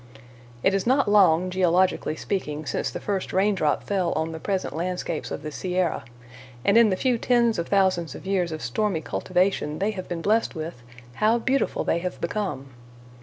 It is not long, geologically speaking, since the first raindrop fell on the present landscapes of the Sierra; and in the few tens of thousands of years of stormy cultivation they have been blest with, how beautiful they have become!